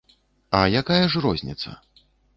А якая ж розніца?